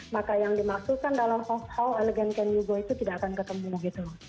maka yang dimaksudkan dalam how elegant can you go itu tidak akan ketemu